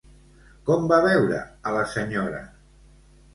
Com va veure a la senyora?